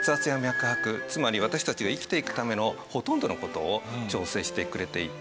つまり私たちが生きていくためのほとんどの事を調整してくれていて。